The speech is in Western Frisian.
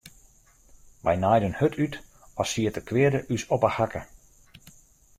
Wy naaiden hurd út as siet de kweade ús op 'e hakke.